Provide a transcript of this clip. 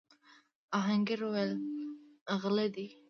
آهنګر وويل: غله دي!